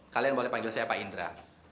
kalian boleh panggil saya pak indra